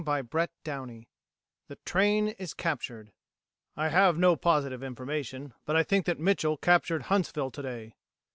CHAPTER EIGHT THE TRAIN IS CAPTURED "I have no positive information, but I think that Mitchel captured Huntsville today!"